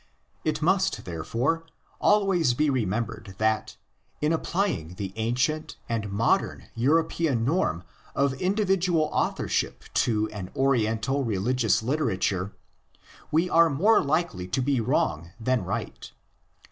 It must, therefore, always be remembered that, in applying the ancient and modern European norm of individual authorship to an Oriental religious litera ture, we are more likely to be wrong than right.